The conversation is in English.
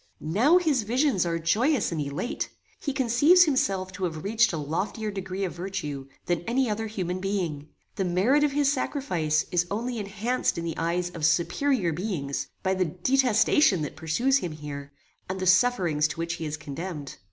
"Now his visions are joyous and elate. He conceives himself to have reached a loftier degree of virtue, than any other human being. The merit of his sacrifice is only enhanced in the eyes of superior beings, by the detestation that pursues him here, and the sufferings to which he is condemned.